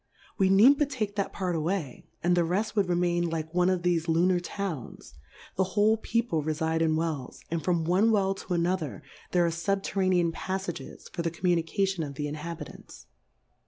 We need but take that Part away, and the reft would remain like one of thefe Lu nar Towns ; the who^e People refide in Wells, and from one Well to another there are fubterranean Paffages for the Communication of the Inhabitants.